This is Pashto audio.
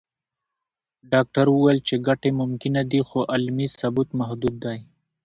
ډاکټره وویل چې ګټې ممکنه دي، خو علمي ثبوت محدود دی.